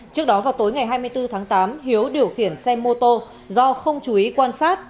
trước đó vào tối ngày hai mươi bốn tháng tám hiếu điều khiển xe mô tô do không chú ý quan sát